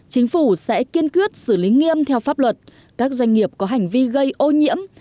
chính phủ sẽ kiên quyết xử lý nghiêm theo pháp luật các doanh nghiệp có hành vi gây ô nhiễm